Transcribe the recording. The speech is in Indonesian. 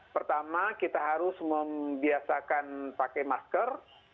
pertama kita harus membiasakan pakai masker